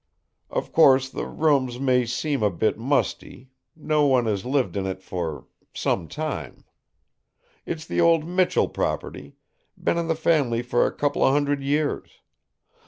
Of course, the rooms may seem a bit musty. No one has lived in it for some time. It's the old Michell property; been in the family for a couple of hundred years.